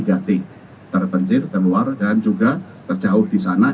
daerah penjir daerah luar dan juga terjauh di sana